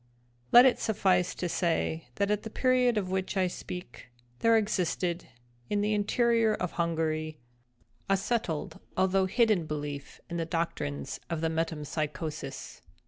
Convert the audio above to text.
Let it suffice to say, that at the period of which I speak, there existed, in the interior of Hungary, a settled although hidden belief in the doctrines of the Metempsychosis.